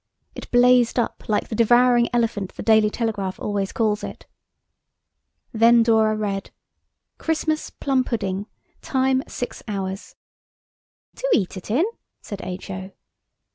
It blazed up like the devouring elephant the Daily Telegraph always calls it. Then Dora read– "'Christmas plum pudding. Time six hours.'" "To eat it in?" said H.O.